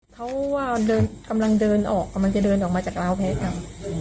เขาว่าเดินกำลังเดินออกกำลังจะเดินออกมาจากล้าวเพชรอำ